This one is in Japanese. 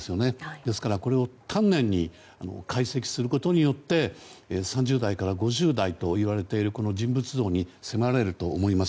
ですから丹念に解析することによって３０代から５０代といわれているこの人物像に迫れると思います。